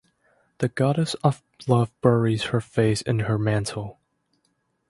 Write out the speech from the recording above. The goddess of love buries her face in her mantle.